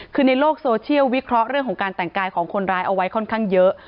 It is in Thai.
คือในโลกโซเชียลวิเคราะห์เรื่องของการแต่งกายของคนร้ายเอาไว้ค่อนข้างเยอะ